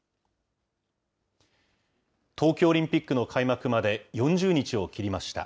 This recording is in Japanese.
東京オリンピックの開幕まで４０日を切りました。